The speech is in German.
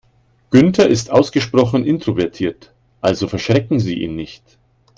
Günther ist ausgesprochen introvertiert, also verschrecken Sie ihn nicht.